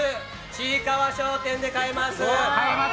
ちいかわ商店で買えます。